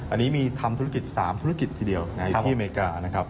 อันนี้มีทำธุรกิจ๓ธุรกิจทีเดียวในที่อเมริกานะครับ